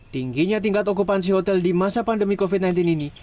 tingginya tingkat okupansi hotel di masa pandemi covid sembilan belas ini